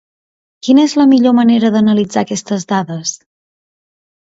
Quina és la millor manera d'analitzar aquestes dades?